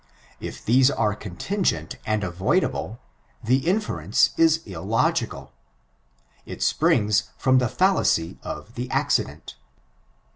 If these are contingent and avoidable, the inference is illogical; it springs from the fallacy of the accident.